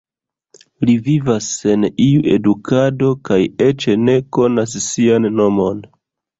Li vivas sen iu edukado kaj eĉ ne konas sian nomon.